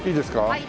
はい。